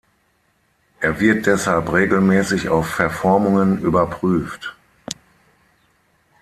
Er wird deshalb regelmäßig auf Verformungen überprüft.